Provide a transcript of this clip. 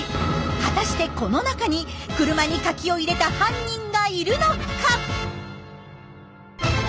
果たしてこの中に車にカキを入れた犯人がいるのか？